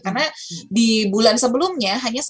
karena di bulan sebelumnya hanya satu ratus lima belas